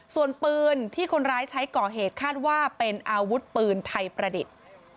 ส่วนปืนที่คนร้ายใช้ก่อเหตุคาดว่าเป็นอาวุธปืนไทยประดิษฐ์